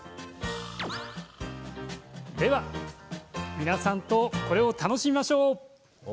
皆さんとこれを楽しみましょう。